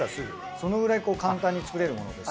そのくらい簡単に作れるものです。